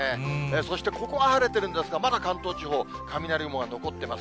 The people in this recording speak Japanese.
そしてここは晴れているんですが、まだ関東地方、雷雲が残っています。